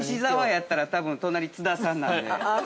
やったら多分隣、津田さんなんで。